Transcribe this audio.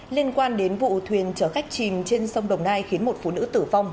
liên quan đến vụ thuyền chở khách chìm trên sông đồng nai khiến một phụ nữ tử vong